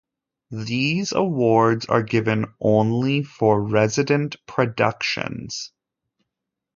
These awards are given only for resident productions.